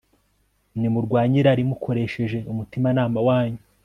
Nimurwanye irari mukoresheje umutimanama wanyu